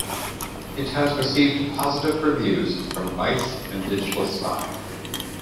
It has received positive reviews from "Vice" and "Digital Spy".